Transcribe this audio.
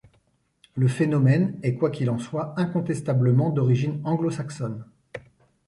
Le phénomène est quoi qu’il en soit, incontestablement, d’origine anglo-saxonne.